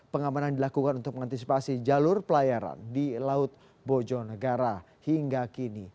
pengamanan dilakukan untuk mengantisipasi jalur pelayaran di laut bojonegara hingga kini